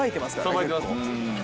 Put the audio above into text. さばいてますよ。